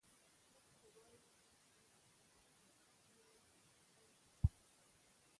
موږ که وایوو چې اوسنۍ واکمنه ډله مو خپل خلک دي